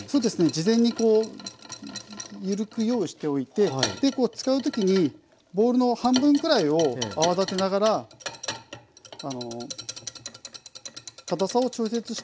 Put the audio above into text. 事前にこう緩く用意しておいて使うときにボウルの半分くらいを泡立てながらかたさを調節して作業をしていきます。